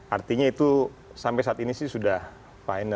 artinya itu sampai saat ini sih sudah final